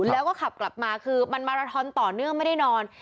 แล้วก็ขับกลับมาคือมันมาราทอนต่อเนื่องไม่ได้นอน